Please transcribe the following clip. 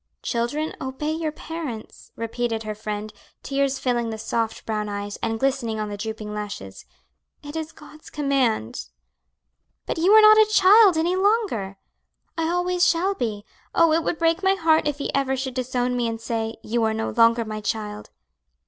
"'Children, obey your parents,'" repeated her friend, tears filling the soft brown eyes, and glistening on the drooping lashes. "It is God's command." "But you are not a child any longer." "I am papa's child; I always shall be. Oh, it would break my heart if ever he should disown me and say, 'You are no longer my child!'"